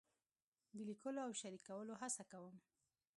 د لیکلو او شریکولو هڅه کوم.